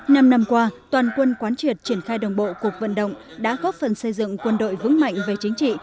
năm năm qua toàn quân quán triệt triển khai đồng bộ cuộc vận động đã góp phần xây dựng quân đội vững mạnh về chính trị